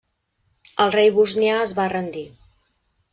El rei bosnià es va rendir.